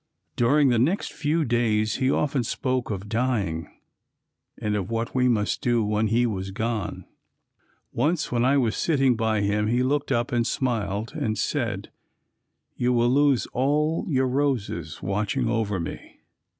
During the next few days he often spoke of dying and of what we must do when he was gone. Once when I was sitting by him he looked up and smiled and said, "You will lose all your roses watching over me."